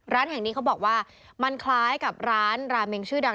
ร้านแห่งนี้เขาบอกว่ามันคล้ายกับร้านราเมงชื่อดัง